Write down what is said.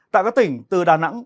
tại các tỉnh từ đà nẵng